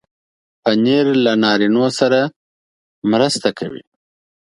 پنېر له نارینو سره مرسته کوي.